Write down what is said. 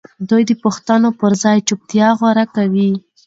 دوی د پوښتنو پر ځای چوپتيا غوره کوي.